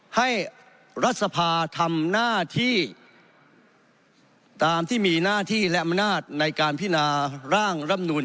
ให้รัฐสภาทำหน้าที่ตามที่มีหน้าที่และอำนาจในการพินาร่างรำนูน